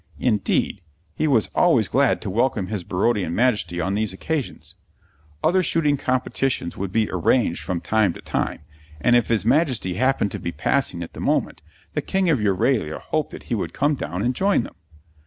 Indeed, he was always glad to welcome his Barodian Majesty on these occasions. Other shooting competitions would be arranged from time to time, and if his Majesty happened to be passing at the moment, the King of Euralia hoped that he would come down and join them.